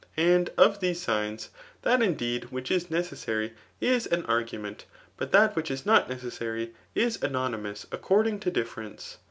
Aod of thoK aigM» that* iiMlted» which ia necessary, is an argument ; but that which la not necc^ 8ary» is anonymous according to difference.